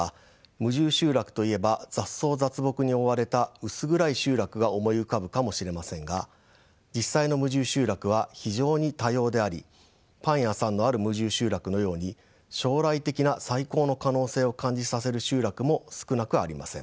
無住集落といえば雑草雑木に覆われた薄暗い集落が思い浮かぶかもしれませんが実際の無住集落は非常に多様でありパン屋さんのある無住集落のように将来的な再興の可能性を感じさせる集落も少なくありません。